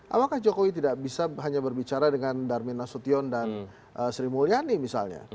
apakah jokowi tidak bisa hanya berbicara dengan darmin nasution dan sri mulyani misalnya